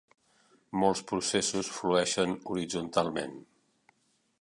Molts processos flueixen horitzontalment.